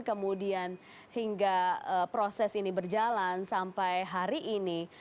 kemudian hingga proses ini berjalan sampai hari ini